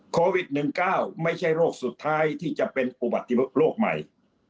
โควิด๑๙ไม่ใช่โรคสุดท้ายที่จะเป็นอุบัติโรคใหม่